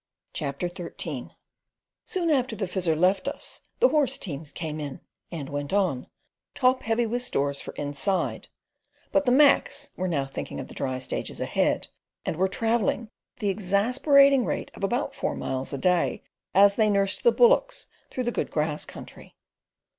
CHAPTER XIII Soon after the Fizzer left us the horse teams came in, and went on, top heavy with stores for "inside"; but the "Macs" were now thinking of the dry stages ahead, and were travelling at the exasperating rate of about four miles a day, as they "nursed the bullocks" through the good grass country.